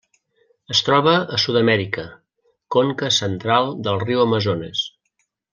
Es troba a Sud-amèrica: conca central del riu Amazones.